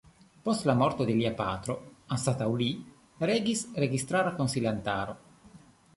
Post la morto de lia patro anstataŭ li regis registara konsilantaro.